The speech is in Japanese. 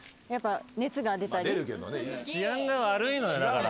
治安が悪いのよだから。